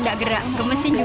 enggak gerak kemesin juga